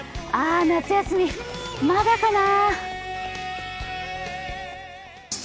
夏休み、まだかな。